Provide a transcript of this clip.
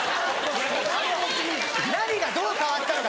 何がどう変わったのか